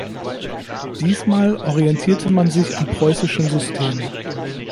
Diesmal orientierte man sich am preußischen System.